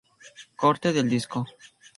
Corte del disco.